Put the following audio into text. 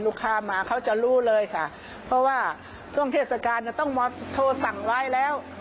ลูกค้ามาเขาจะรู้เลยค่ะเพราะว่าช่วงเทศกาลต้องมาโทรสั่งไว้แล้ว